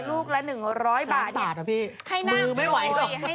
ลูกละ๑๐๐บาทนี่